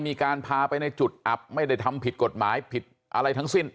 มีการพาไปในจุดอับไม่ได้ทำผิดกฎหมายผิดอะไรทั้งสิ้น